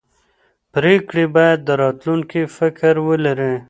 پرېکړې باید د راتلونکي فکر ولري